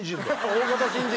大型新人！